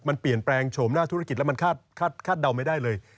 มันเปลี่ยนแปลงโฉมหน้าธุรกิจแล้วมันคาดเดาไม่ได้เลย